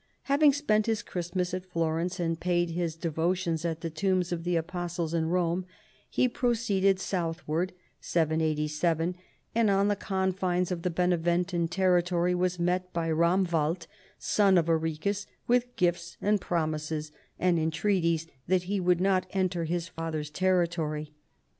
Having spent his Christmas at Florence, and paid his devotions at the tombs of the Apostles in Rome, he proceeded southward (787), and on the confines of the Beneventan territory was met by Romwald, son of Arichis, with gifts and promises and entreaties that he would not enter his father's territory.